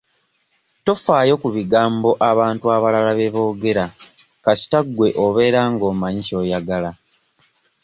Tofaayo ku bigambo abantu abalala bye boogera kasita gwe obeera ng'omanyi ky'oyagala.